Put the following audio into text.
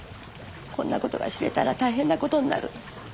こんなことが知れたら大変なことになる